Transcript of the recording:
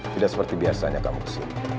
tidak seperti biasanya kak moksir